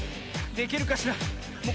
できるかしら。